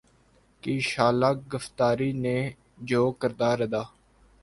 کی شعلہ گفتاری نے جو کردار ادا